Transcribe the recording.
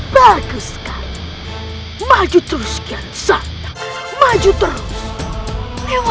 tidak ada yang bisa kita cari